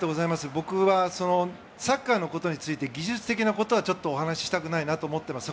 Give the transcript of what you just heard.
僕はサッカーのことについて技術的なことはちょっとお話したくないなと思ってます。